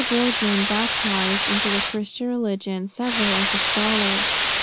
Boardman baptized into the Christian religion several of his scholars.